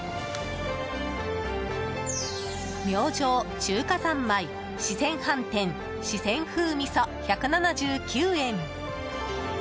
明星中華三昧四川飯店四川風味噌、１７９円。